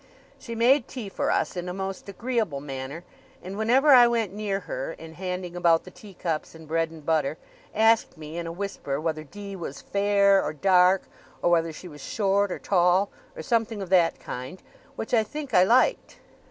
She made tea for us in a most agreeable manner; and, whenever I went near her, in handing about the tea cups and bread and butter, asked me, in a whisper, whether D. was fair, or dark, or whether she was short, or tall: or something of that kind; which I think I liked.